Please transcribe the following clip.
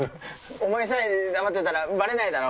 お前さえ黙ってたら、ばれないだろ。